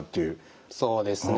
そうですね。